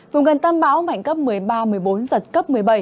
vùng gần tâm bão mạnh cấp một mươi ba một mươi bốn giật cấp một mươi bảy